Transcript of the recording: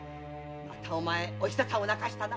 またお前おひささんを泣かせたな？